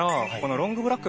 ロングブラック？